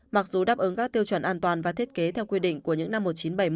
mặc dù đáp ứng các tiêu chuẩn an toàn và thiết kế theo quy định của những năm một nghìn chín trăm bảy mươi